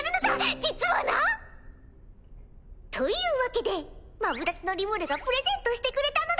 実はな！というわけでマブダチのリムルがプレゼントしてくれたのだ！